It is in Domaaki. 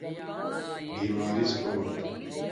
بیمارس کوٹ